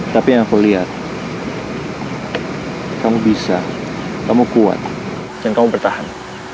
tapi yang aku lihat kamu bisa kamu kuat dan kamu bertahan